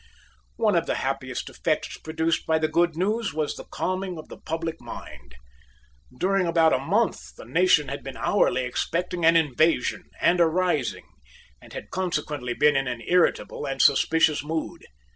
One of the happiest effects produced by the good news was the calming of the public mind. During about a month the nation had been hourly expecting an invasion and a rising, and had consequently been in an irritable and suspicious mood.